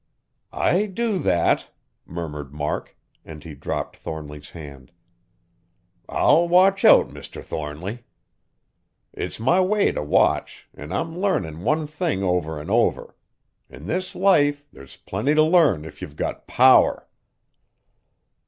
"I do that!" murmured Mark, and he dropped Thornly's hand. "I'll watch out, Mr. Thornly. It's my way t' watch, an' I'm learnin' one thing over an' over. In this life there's plenty t' learn if you've got power!"